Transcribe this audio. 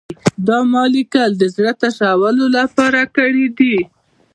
ما دا لیکل د زړه تشولو لپاره کړي دي